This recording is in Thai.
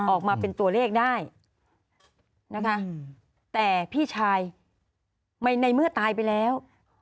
ออกมาเป็นตัวเลขได้นะคะแต่พี่ชายในเมื่อตายไปแล้ว